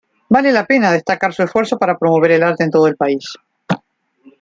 Vale la pena destacar su esfuerzo para promover el arte en todo el país.